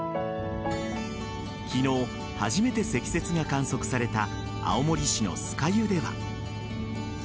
昨日、初めて積雪が観測された青森市の酸ヶ湯では。